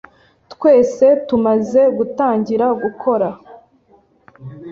Twese tumaze gutangira gukora